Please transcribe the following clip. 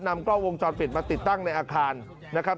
กล้องวงจรปิดมาติดตั้งในอาคารนะครับ